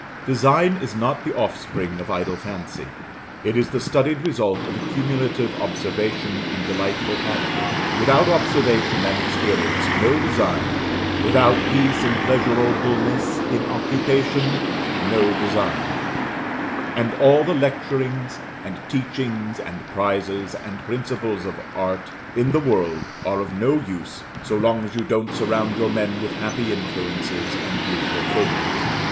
Design is not the offspring of idle fancy: it is the studied result of accumulative observation and delightful habit. Without observation and experience, no design without peace and pleasurableness in occupation, no design and all the lecturings, and teachings, and prizes, and principles of art, in the world, are of no use, so long as you don't surround your men with happy influences and beautiful things.